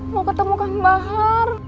mau ketemu kang bahar